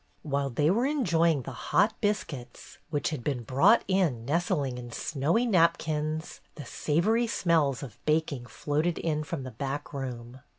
While they were enjoying the hot biscuits, which had been brought in nestling in snowy napkins, the savory smells of baking floated in from the back room.